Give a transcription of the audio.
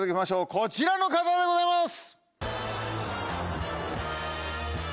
こちらの方でございます。